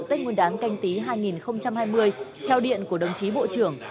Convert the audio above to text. tết nguyên đán canh tí hai nghìn hai mươi theo điện của đồng chí bộ trưởng